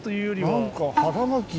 何か腹巻き。